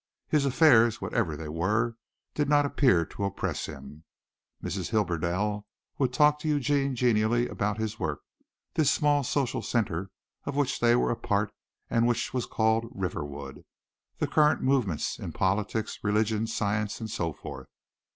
His affairs, whatever they were, did not appear to oppress him. Mrs. Hibberdell would talk to Eugene genially about his work, this small, social centre of which they were a part and which was called Riverwood, the current movements in politics, religion, science and so forth.